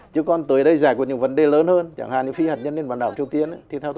chứ còn tới đây giải quyết những vấn đề lớn hơn chẳng hạn như phi hạt nhân lên bán đảo triều tiên